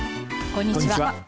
こんにちは。